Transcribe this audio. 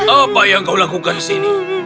apa yang kau lakukan di sini